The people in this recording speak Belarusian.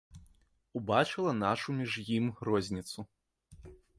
Убачыла нашу між ім розніцу.